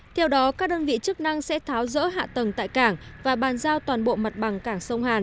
theo đó các đơn vị chức năng sẽ tháo rỡ hạ tầng tại cảng và bàn giao toàn bộ mặt bằng cảng sông hàn